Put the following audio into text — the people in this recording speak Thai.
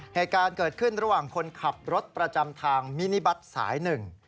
เหตุการณ์เกิดขึ้นระหว่างคนขับรถประจำทางมินิบัตรสายหนึ่ง